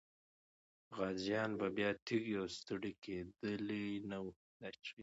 غازيان به بیا تږي او ستړي کېدلي نه وو.